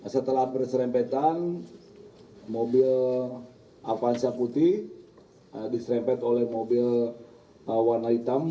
setelah berserempetan mobil avanza putih diserempet oleh mobil warna hitam